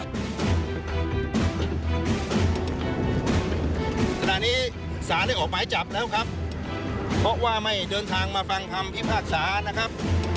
ไม่ทราบไม่ทราบครับ